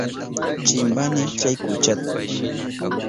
Chimpani chay kuchata.